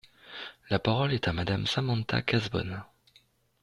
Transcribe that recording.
La parole est à Madame Samantha Cazebonne.